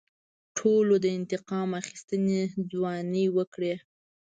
ټولو د انتقام اخیستنې ځوانۍ وکړې.